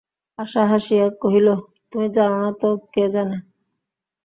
আশা হাসিয়া কহিল, তুমি জান না তো কে জানে।